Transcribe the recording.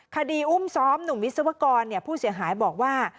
คดีอุ้มซ้อมหนุ่มวิศวกรผู้เสียหายบอกว่า